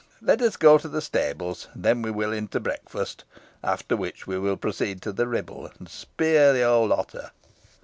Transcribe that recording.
Let us go to the stables, and then we will in to breakfast; after which we will proceed to the Ribble, and spear the old otter."